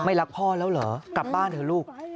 รักพ่อแล้วเหรอกลับบ้านเถอะลูก